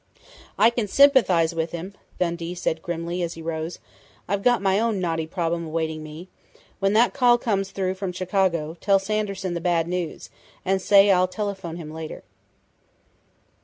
"I can sympathize with him!" Dundee said grimly, as he rose. "I've got my own knotty problem awaiting me.... When that call comes through from Chicago, tell Sanderson the bad news, and say I'll telephone him later."